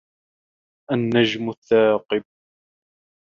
النَّجمُ الثّاقِبُ